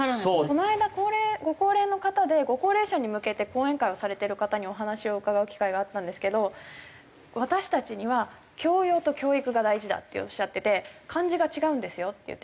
この間ご高齢の方でご高齢者に向けて講演会をされてる方にお話を伺う機会があったんですけど「私たちには教養と教育が大事だ」っておっしゃってて「漢字が違うんですよ」って言ってて。